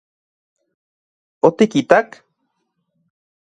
¿Otikitak...?